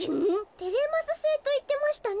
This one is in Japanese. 「テレマスセイ」といってましたね。